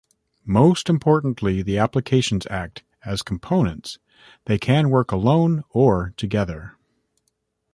Most importantly, the applications act as components, they can work alone or together.